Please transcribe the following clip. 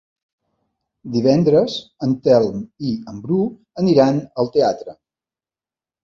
Divendres en Telm i en Bru aniran al teatre.